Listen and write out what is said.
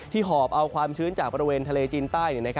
หอบเอาความชื้นจากบริเวณทะเลจีนใต้